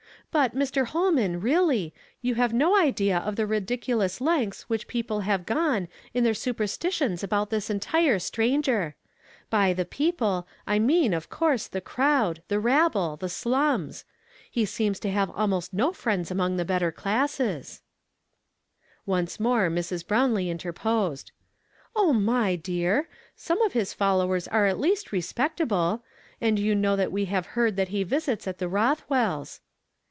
But, Mr. Holman, really, you have no idea of the ridiculous lengths which the people have gone in their superstitions about this entire stranger. By 'tlie people' I mean, of course, the crowd, the rabble, the slums. He seems to have almost no fiiends anions the better classes." "HEAR YE INDEED, BUT UNDERSTAND NOT." 121 Once more Mrs. Browrilee interposed. " Oh, my dear ! some of liis followers are at least respectable. And you know that we have heard that he visits at the He fch wells'."